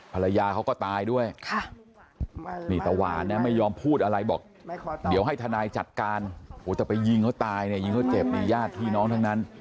ภรรยาเขาก็ตายด้วยค่ะนี่ถวันเนี่ยไม่ยอมพูดอะไรบอก